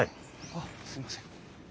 あっすいません。